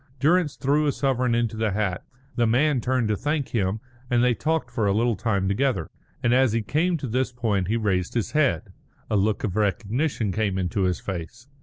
Durrance threw a sovereign into the hat, the man turned to thank him, and they talked for a little time together;" and as he came to this point he raised his head. A look of recognition came into his face.